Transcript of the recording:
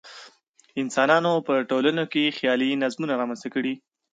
انسانانو په ټولنو کې خیالي نظمونه رامنځته کړي.